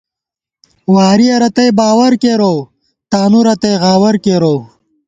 وارِیَہ رتئ باوَر کېروؤ ، تانُو رتئ غاوَر کېروؤ